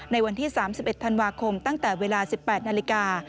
ในวันที่๓๑ธันวาคมตั้งแต่เวลา๑๘นาฬิกา